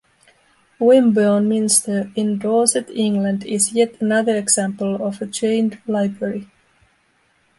Wimborne Minster in Dorset, England is yet another example of a Chained Library.